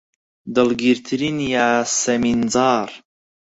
دڵگیرترین یاسەمینجاڕ